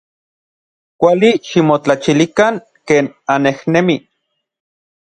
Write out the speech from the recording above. Kuali ximotlachilikan ken annejnemij.